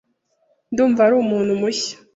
Ndumva ari umuntu mushya.